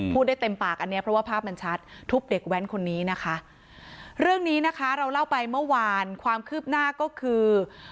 ได้เต็มปากอันเนี้ยเพราะว่าภาพมันชัดทุบเด็กแว้นคนนี้นะคะเรื่องนี้นะคะเราเล่าไปเมื่อวานความคืบหน้าก็คือ